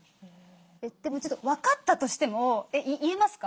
でも分かったとしても言えますか？